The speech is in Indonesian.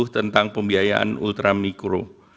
tentang pembiayaan ultra mikro